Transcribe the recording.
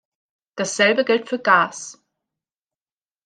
Dasselbe gilt für Gas.